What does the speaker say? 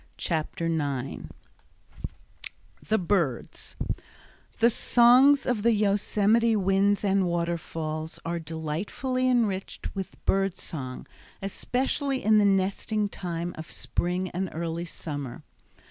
Chapter 9 The Birds The songs of the Yosemite winds and waterfalls are delightfully enriched with bird song, especially in the nesting time of spring and early summer.